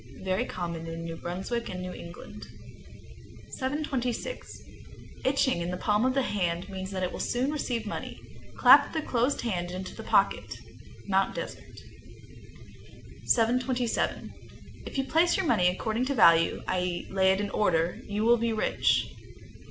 Very common in New Brunswick and New England. 726. Itching in the palm of the hand means that it will soon receive money. Clap the closed hand into the pocket. Mt. Desert, Me. 727. If you place your money according to value, i.e., lay it in order, you will be rich.